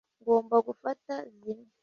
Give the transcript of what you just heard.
ngomba gufata zimwe